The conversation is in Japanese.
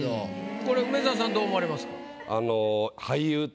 これ梅沢さんどう思われますか？